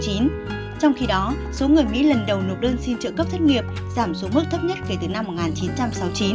trong khi đó số người mỹ lần đầu nộp đơn xin trợ cấp thất nghiệp giảm xuống mức thấp nhất kể từ năm một nghìn chín trăm sáu mươi chín